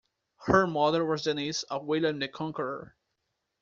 Her mother was the niece of William the Conqueror.